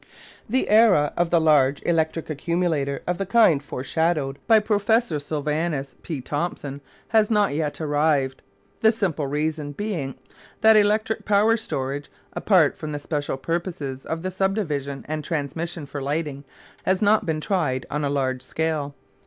The era of the large electric accumulator of the kind foreshadowed by Prof. Sylvanus P. Thompson has not yet arrived, the simple reason being that electric power storage apart from the special purposes of the subdivision and transmission for lighting has not yet been tried on a large scale.